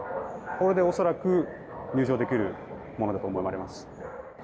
これで恐らく入場できるものだと思われます。